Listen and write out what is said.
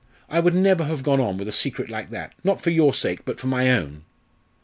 "I would never have gone on with a secret like that not for your sake but for my own."